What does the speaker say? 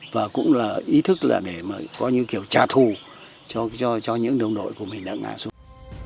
và cũng là ý thức là để mà có những kiểu trả thù cho những đồng đội của mình đã ngã xuống